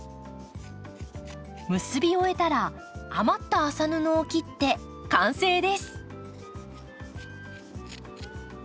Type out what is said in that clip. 結び終えたら余った麻布を切って完成です。